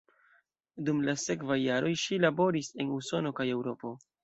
Dum la sekvaj jaroj ŝi laboris en Usono kaj Eŭropo.